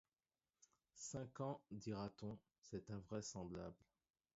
Cinq ans, dira-t-on, c’est invraisemblable.